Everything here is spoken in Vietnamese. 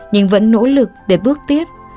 nhưng vẫn nỗ lực để bước tiếp